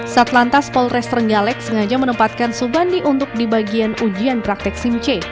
satu lantas polres renggalek sengaja menempatkan subandi untuk di bagian ujian praktik sim c